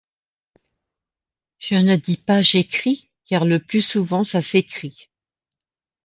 Je ne dis pas « j’écris », car le plus souvent ça s’écrit.